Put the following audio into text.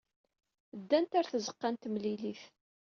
Ddant ɣer tzeɣɣa n temlilit.